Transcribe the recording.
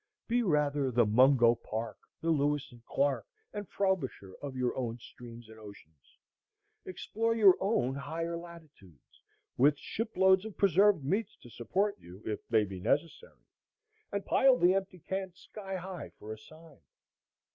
Be rather the Mungo Park, the Lewis and Clarke and Frobisher, of your own streams and oceans; explore your own higher latitudes,—with shiploads of preserved meats to support you, if they be necessary; and pile the empty cans sky high for a sign.